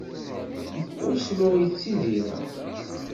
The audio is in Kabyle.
Deg Oslo i ttidireɣ.